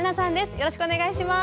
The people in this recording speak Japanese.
よろしくお願いします。